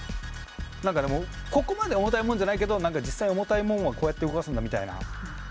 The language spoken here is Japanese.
何かでもここまで重たいもんじゃないけど何か実際重たいもんはこうやって動かすんだみたいな。